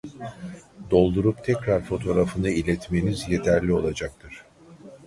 Doldurup tekrar fotoğrafını iletmeniz yeterli olacaktır